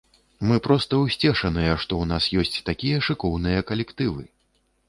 Мы проста ўсцешаныя, што ў нас ёсць такія шыкоўныя калектывы!